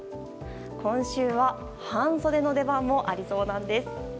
今週は半袖の出番もありそうです。